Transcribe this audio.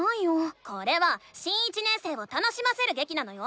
これは新１年生を楽しませるげきなのよ！